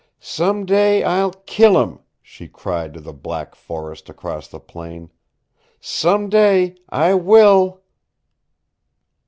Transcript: "Some day, I'll kill 'im," she cried to the black forest across the plain. "Some day I will!"